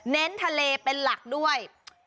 ทะเลเป็นหลักด้วย